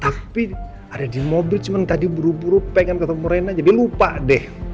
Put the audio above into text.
tapi ada di mobil cuma tadi buru buru pengen ketemu rena jadi lupa deh